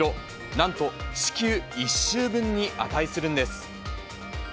なんと地球１周分に値するんです。